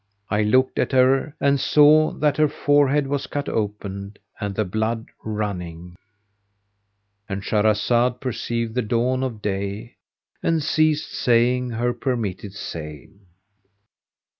I looked at her and saw that her forehead was cut open and the blood running,—And Shahrazad perceived the dawn of day and ceased saying her permitted say.